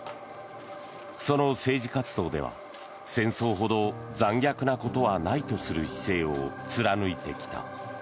その政治活動では戦争ほど残虐なことはないとする姿勢を貫いてきた。